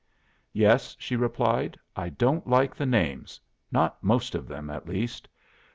'Yes,' she replied, 'I don't like the names not most of them, at least.